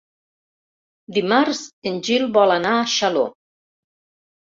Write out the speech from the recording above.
Dimarts en Gil vol anar a Xaló.